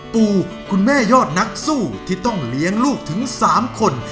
ปูคุณแม่ยอดนักสู้ที่ต้องเลี้ยงลูกถึง๓คน